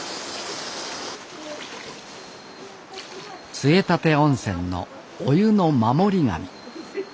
杖立温泉のお湯の守り神。